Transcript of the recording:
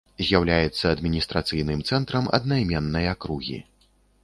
З'яўляецца адміністрацыйным цэнтрам аднайменнай акругі.